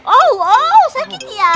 oh oh oh sakit ya